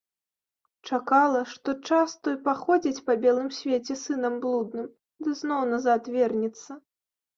Чакала, што час той паходзіць па белым свеце сынам блудным ды зноў назад вернецца.